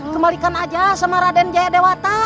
kembalikan aja sama raden jaya dewata